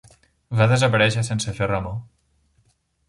Va desaparèixer sense fer remor